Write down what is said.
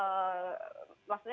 dan juga maksudnya